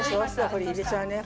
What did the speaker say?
これ入れちゃうね